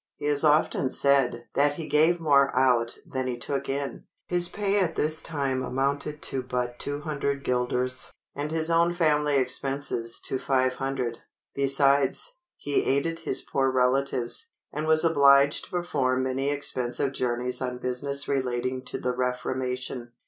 He has often said "that he gave more out than he took in." His pay at this time amounted to but 200 guilders, and his own family expenses to 500. Besides, he aided his poor relatives, and was obliged to perform many expensive journeys on business relating to the Reformation.